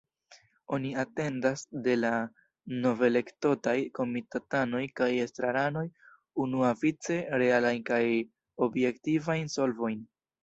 Oni atendas de la novelektotaj komitatanoj kaj estraranoj unuavice realajn kaj objektivajn solvojn.